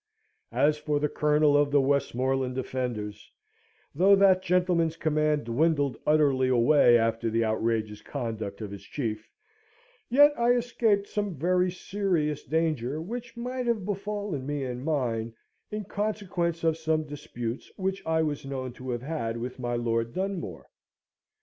As for the Colonel of the Westmoreland Defenders, though that gentleman's command dwindled utterly away after the outrageous conduct of his chief, yet I escaped from some very serious danger which might have befallen me and mine in consequence of some disputes which I was known to have had with my Lord Dunmore.